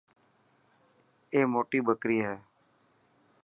اي موٽي ٻڪري هي.